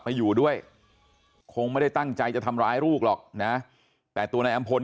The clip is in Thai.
ไปอยู่ด้วยคงไม่ได้ตั้งใจจะทำร้ายลูกหรอกนะแต่ตัวนายอำพล